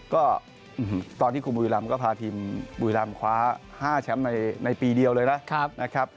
ก็ตอนที่คุณบุรีรัมป์ก็พาทีมบุรีรัมป์คว้า๕แชมป์ในปีเดียวเลยละ